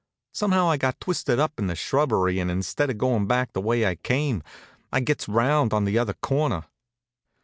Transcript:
Somehow I got twisted up in the shrubbery, and instead of goin' back the way I came, I gets around on the other corner.